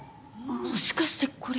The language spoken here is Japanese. もしかしてこれ。